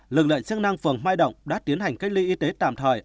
lực lượng chức năng phường mai động đã tiến hành cách ly y tế tạm thời